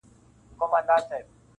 تاریخ دي ماته افسانې ښکاري -